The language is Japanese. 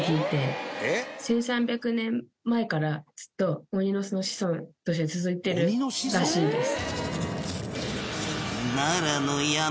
１３００年前からずっと鬼の子孫として続いてるらしいです。